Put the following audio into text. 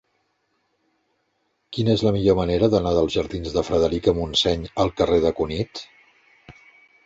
Quina és la millor manera d'anar dels jardins de Frederica Montseny al carrer de Cunit?